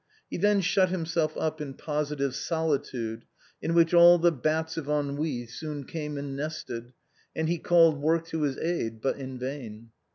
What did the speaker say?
He then shut himself up in positive solitude, in which all the bats of ennui soon came and nested, and he called work to his aid but in vain.